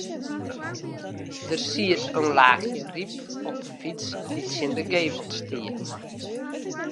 Der siet in laachje ryp op 'e fyts dy't tsjin de gevel stie.